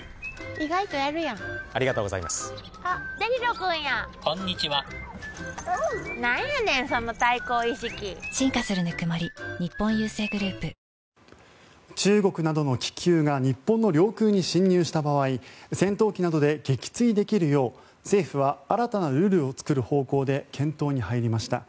更に、合同会議では中国などの気球が日本の領空に侵入した場合戦闘機などで撃墜できるよう政府は新たなルールを作る方向で検討に入りました。